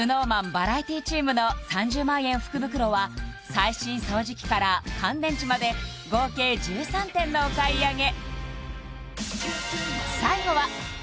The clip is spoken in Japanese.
バラエティチームの３０万円福袋は最新掃除機から乾電池まで合計１３点のお買い上げ